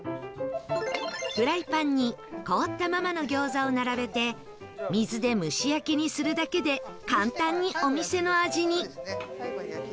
フライパンに凍ったままの餃子を並べて水で蒸し焼きにするだけで簡単にお店の味に